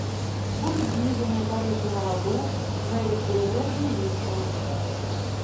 Будуць зніжаныя тарыфы на ваду, на электраэнергію ліфтаў.